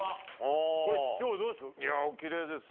これ市長、どうです？